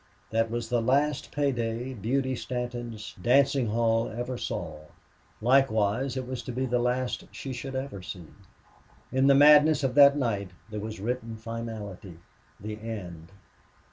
That was the last pay day Beauty Stanton's dancing hall ever saw. Likewise it was to be the last she would ever see. In the madness of that night there was written finality the end.